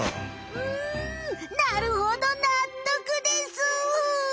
うんなるほどなっとくです。